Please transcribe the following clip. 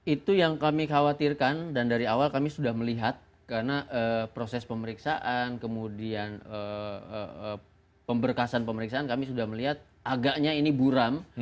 itu yang kami khawatirkan dan dari awal kami sudah melihat karena proses pemeriksaan kemudian pemberkasan pemeriksaan kami sudah melihat agaknya ini buram